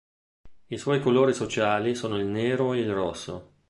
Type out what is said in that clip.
I suoi colori sociali sono il nero e il rosso.